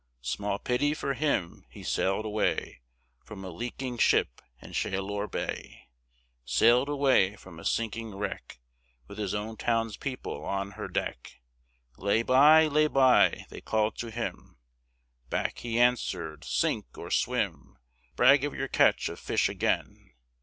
Small pity for him! He sailed away From a leaking ship in Chaleur Bay, Sailed away from a sinking wreck, With his own town's people on her deck! "Lay by! lay by!" they called to him. Back he answered, "Sink or swim! Brag of your catch of fish again!"